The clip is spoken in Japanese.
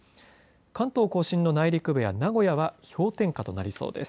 関東甲信の内陸部や名古屋は氷点下となりそうです。